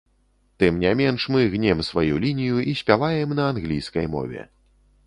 Тым не менш, мы гнем сваю лінію і спяваем на англійскай мове.